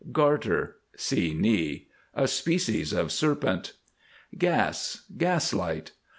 GARTER. (See knee.) A species of serpent. GAS, Gas light.